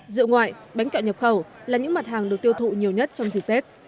rượu ngoại bánh kẹo nhập khẩu là những mặt hàng được tiêu thụ nhiều nhất trong dịp tết